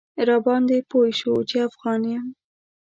راباندې پوی شو چې افغان یم.